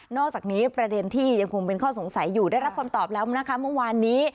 อกจากนี้ประเด็นที่ยังคงเป็นข้อสงสัยอยู่ได้รับคำตอบแล้วนะคะเมื่อวานนี้